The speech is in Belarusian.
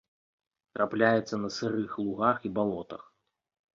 Трапляецца на сырых лугах і балотах.